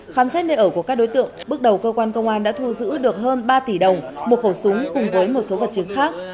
khám xét nơi ở của các đối tượng bước đầu cơ quan công an đã thu giữ được hơn ba tỷ đồng một khẩu súng cùng với một số vật chứng khác